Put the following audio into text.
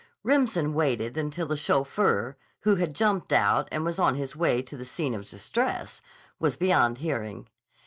Remsen waited until the chauffeur, who had jumped out and was on his way to the scene of distress, was beyond hearing.